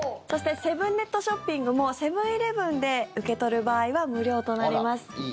そしてセブンネットショッピングもセブン−イレブンで受け取る場合は無料となります。